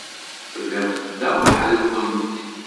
Tellamt da weḥd-nkent?